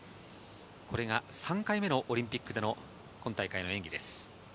これが３回目のオリンピックでの今大会の演技です。